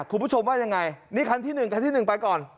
คุณผู้ชมว่ายังไงนี่คันที่๑คันที่๑ไปก่อน